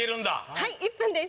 はい１分です。